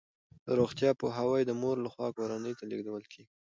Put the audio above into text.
د روغتیا پوهاوی د مور لخوا کورنۍ ته لیږدول کیږي.